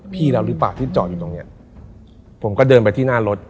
พี่เราหรือเปล่าที่จอดอยู่ตรงเนี้ยผมก็เดินไปที่หน้ารถ